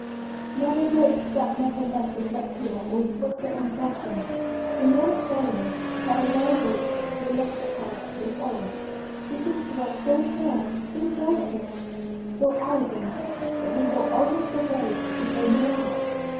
"Never did stepmother make a prettier or sweeter impression. The morning following her arrival we looked at her with awe. She seemed to us so fair, so delicate, so elegant, that we were almost afraid to go near her.